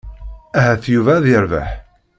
Ahat Yuba ad yerbeḥ.